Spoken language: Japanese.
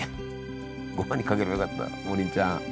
ごはんにかければよかった王林ちゃん！